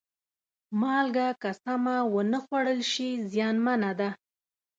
مالګه که سمه ونه خوړل شي، زیانمنه ده.